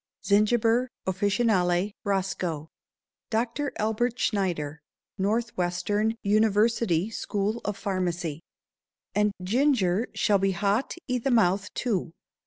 Zingiber officinale Roscoe. DR. ALBERT SCHNEIDER, Northwestern University School of Pharmacy. "And ginger shall be hot i' the mouth, too."